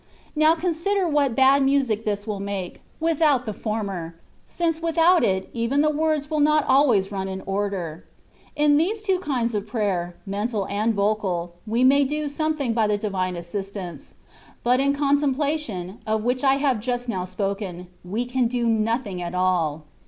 Now, consider what bad music this will make, without the former, since without it even the words will not always run in order. In these two kinds of prayer, mental and vocal, we may do something by the Divine assistance ; but in contemplation, of which I have just now spoken, we can do nothing at all.